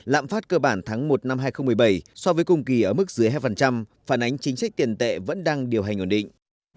lạm phát cơ bản tháng một năm hai nghìn một mươi bảy so với cùng kỳ ở mức dưới hai phản ánh chính sách tiền tệ vẫn đang điều hành ổn định